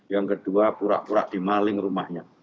yang kedua pura pura dimaling rumahnya